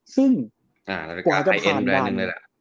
ซึ่งกว่าจะผ่านดัง